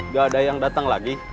gak ada yang datang lagi